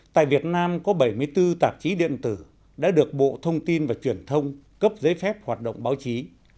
tại việt nam có bảy mươi bốn tạp chí điện tử đã được bộ thông tin và truyền thông cấp giấy phép hoạt động báo chí